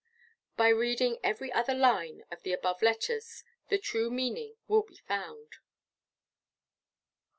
By reading every other line of the above letters the true meaning will be found.